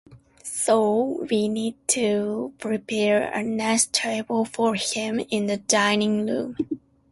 So, we need to prepare a nice table for him in the dining-room.